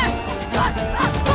kemumba pa pa